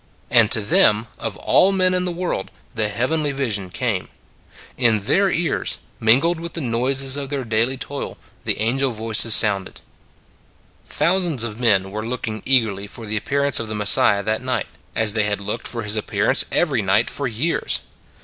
And to them, of all men in the world, the heavenly vision came. In their ears, mingled with the noises of their daily toil, the angel voices sounded. Thousands of men were looking eagerly for the appearance of the Messiah that night as they had looked for His ap pearance every night for years.